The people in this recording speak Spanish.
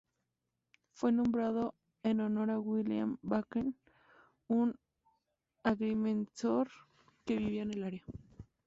Fue nombrado en honor a William Bracken, un agrimensor que vivió en el área.